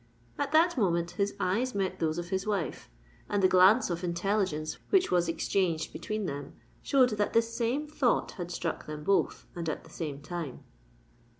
At that moment his eyes met those of his wife; and the glance of intelligence which was exchanged between them, showed that the same thought had struck them both, and at the same time.